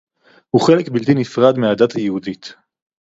הוא חלק בלתי נפרד מהדת היהודית